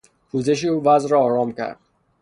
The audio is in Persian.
پوزش او وضع را آرام کرد.